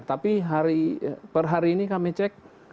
tapi per hari ini kami cek